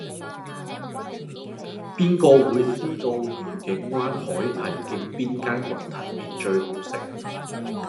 邊個會知道愉景灣海堤徑邊間雲吞麵最好食